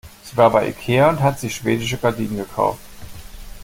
Sie war bei Ikea und hat sich schwedische Gardinen gekauft.